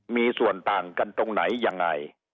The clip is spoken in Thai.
มีส่วนต่างกันตรงไหนยังไง